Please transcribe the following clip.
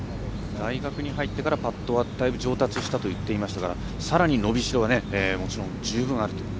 大学に入ってからパットはだいぶ上達したといいますからさらに伸びしろが十分あると。